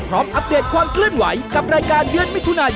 พร้อมอัพเดทความเคลื่อนไหว